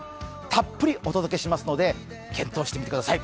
たっぷりお届けしますので検討してみてください。